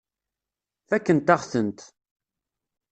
Fakkent-aɣ-tent.